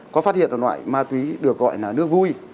có phát hiện một loại ma túy được gọi là nước vui